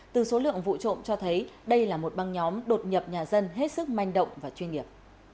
từ số lượng vụ trộm cho thấy đây là một băng nhóm đột nhập nhà dân hết sức manh động và chuyên nghiệp